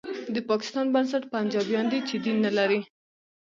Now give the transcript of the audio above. د پاکستان بنسټ پنجابیان دي چې دین نه لري